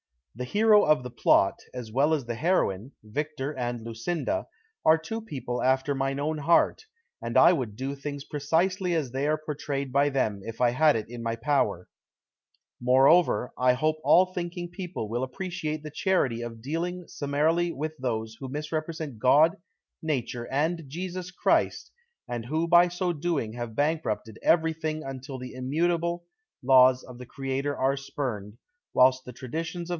The hero of tlie plot, as well as the heroine, Victor and Lucinda, are two people after mine own heart, and I would do things precisely as they are portrayed by them if I had it in my power ! Moreover, I hope all thinkiug people will appreciate the charity of dealing summarily with those who misrepresent God, Nature and Jesus Christ, and who by so doing have bankrupted everything until the immutable laws of the Creator are spurned, whilst the traditions of THE CONSPIRATORS AXD LOVERS.